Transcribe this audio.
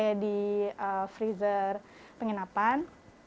saya titip asi saya di freezer penginapan